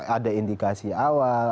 ada indikasi awal